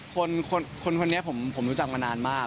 คนคนนี้ผมรู้จักมานานมาก